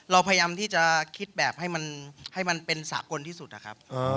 เราพยายามที่จะคิดแบบให้มันเป็นสากลที่สุดนะครับ